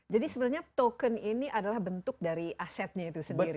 jadi sebenarnya token ini adalah bentuk dari asetnya itu sendiri